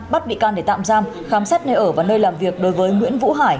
bắt bị can để tạm giam khám xét nơi ở và nơi làm việc đối với nguyễn vũ hải